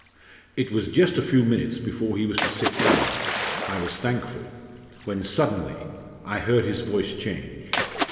"It was just a few minutes before he was to sit down I was thankful! when suddenly I heard his voice change.